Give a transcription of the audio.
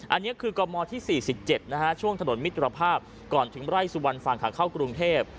อันนี้คือกมที่๔๗นะฮะช่วงถนนมิตรภาพก่อนถึงไร่สุวรรณฝั่งขาเข้ากรุงเทพ